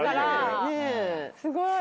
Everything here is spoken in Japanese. すごい。